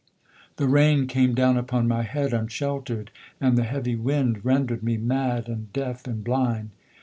The rain came down upon my head Unshelter'd and the heavy wind Rendered me mad and deaf and blind.